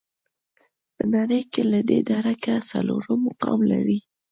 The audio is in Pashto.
په نړۍ کې له دې درکه څلورم مقام لري.